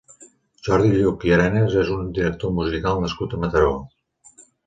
Jordi Lluch i Arenas és un director musical nascut a Mataró.